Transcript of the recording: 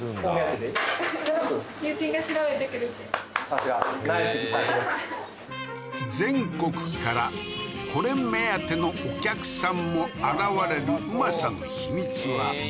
さすがナイスリサーチ力全国からこれ目当てのお客さんも現れるうまさの秘密は